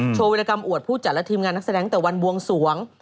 วิรกรรมอวดผู้จัดและทีมงานนักแสดงตั้งแต่วันบวงสวง